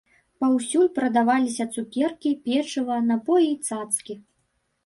Паўсюль прадаваліся цукеркі, печыва, напоі і цацкі.